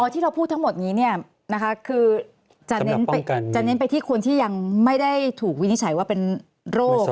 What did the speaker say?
ที่เราพูดทั้งหมดนี้คือจะเน้นไปที่คนที่ยังไม่ได้ถูกวินิจฉัยว่าเป็นโรค